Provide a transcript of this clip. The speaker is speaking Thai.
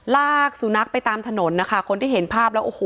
ลากสูนักไปตามถนนคนที่เห็นภาพแล้ว